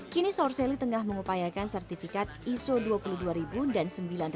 kini sourceli tengah mengupayakan sertifikat iso dua puluh dua ribu dan sembilan ratus